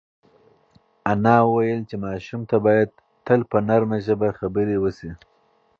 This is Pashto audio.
انا وویل چې ماشوم ته باید تل په نرمه ژبه خبرې وشي.